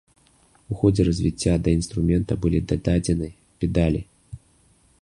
У ходзе развіцця да інструмента былі дададзены педалі.